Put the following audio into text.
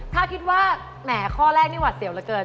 ถ้าคิดว่าแหมข้อแรกนี่หวัดเสียวเหลือเกิน